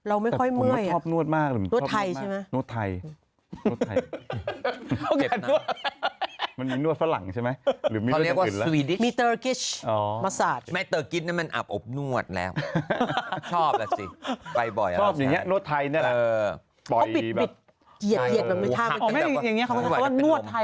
เราไม่ค่อยเมื่อยเนี่ยเนี่ยเนี่ยเนี่ย